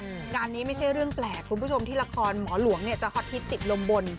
งานนี้ไม่ใช่เรื่องแปลกคุณผู้ชมที่ละครหมอหลวงเนี่ยจะฮอตฮิตติดลมบน